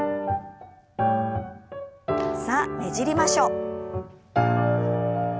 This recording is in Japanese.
さあねじりましょう。